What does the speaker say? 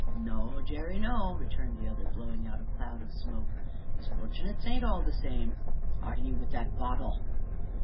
"No, Jerry, no," returned the other, blowing out a cloud of smoke; "misfort'nates ain't all the same (arter you wi' that bottle!)